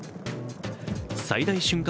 最大瞬間